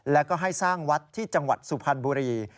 แล้วก็ให้สร้างวัดที่จังหวัดสุพรรณบุรี